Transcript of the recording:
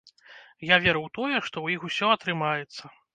Я веру ў тое, што ў іх усё атрымаецца.